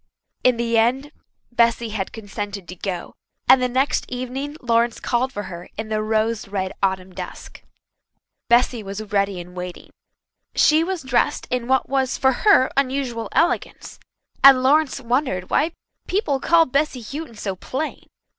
In the end Bessy had consented to go, and the next evening Lawrence called for her in the rose red autumn dusk. Bessy was ready and waiting. She was dressed in what was for her unusual elegance, and Lawrence wondered why people called Bessy Houghton so plain.